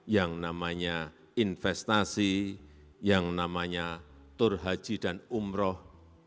yang namanya investasi yang namanya tur haji dan umroh